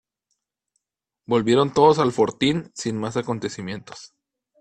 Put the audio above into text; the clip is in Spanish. Volvieron todos al fortín sin más acontecimientos.